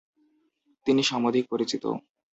তিনি সমধিক পরিচিত।